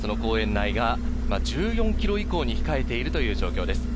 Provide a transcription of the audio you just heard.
１４ｋｍ以降に控えているという状況です。